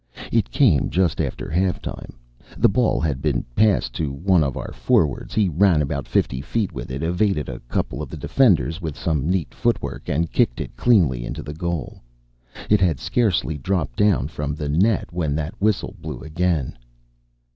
It came just after half time. The ball had been passed to one of our forwards; he ran about fifty feet with it, evaded a couple of the defenders with some neat foot work, and kicked it cleanly into the goal. It had scarcely dropped down from the net when that whistle blew again.